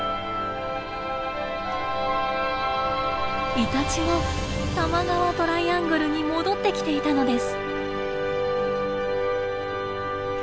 イタチも多摩川トライアングルに戻ってきていたのです。